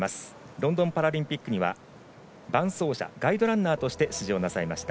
ロンドンパラリンピックには伴走者、ガイドランナーとして出場なさいました。